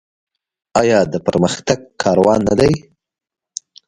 آیا د پرمختګ کاروان نه دی؟